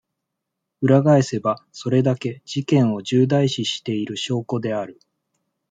裏返せば、それだけ、事件を重大視している証拠である。